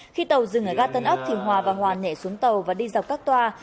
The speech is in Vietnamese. khi tàu dừng ở ga tân ấp thì hòa và hoàn nhảy xuống tàu và đi dọc các toa